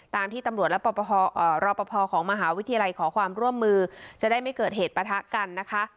ตามที่ตำรวจและรอปภของมหาวิทยาลัยขอความร่วมมือจะได้ไม่เกิดเหตุปะทะกันนะคะ